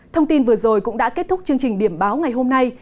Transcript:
thông tin vừa rồi cũng đã kết thúc chương trình điểm báo ngày hôm nay